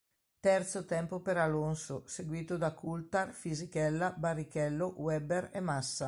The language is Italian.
Terzo tempo per Alonso, seguito da Coulthard, Fisichella, Barrichello, Webber e Massa.